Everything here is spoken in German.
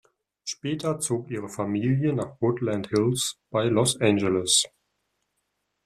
Später zog ihre Familie nach "Woodland Hills" bei Los Angeles.